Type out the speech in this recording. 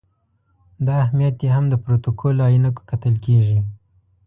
دا اهمیت یې هم د پروتوکول له عینکو کتل کېږي.